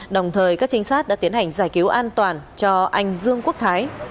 đồng thời các trinh sát đã tiến hành giải cứu an toàn cho anh dương quốc thái